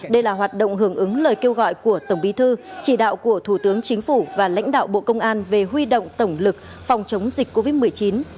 đây là hoạt động hưởng ứng lời kêu gọi của tổng bí thư chỉ đạo của thủ tướng chính phủ và lãnh đạo bộ công an về huy động tổng lực phòng chống dịch covid một mươi chín